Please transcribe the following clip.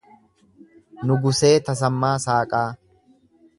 Nugusee Tasammaa Saaqaa